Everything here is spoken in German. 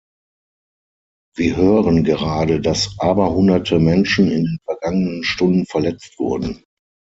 Wir hören gerade, dass aberhunderte Menschen in den vergangenen Stunden verletzt wurden.